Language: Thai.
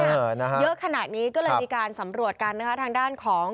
เยอะขนาดนี้ก็เลยมีการสำรวจการทางด้านของ